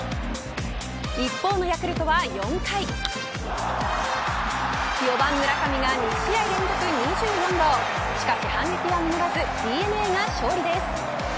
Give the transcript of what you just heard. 一方のヤクルトは４回４番村上が６試合連続２４号￥ＤｅＮＡが勝利です。